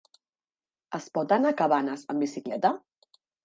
Es pot anar a Cabanes amb bicicleta?